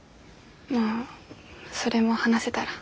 まあそれも話せたら。